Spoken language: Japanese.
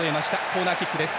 コーナーキックです。